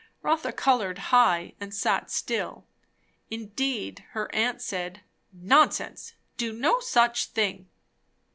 Rotha coloured high and sat still. Indeed her aunt said, "Nonsense! do no such thing."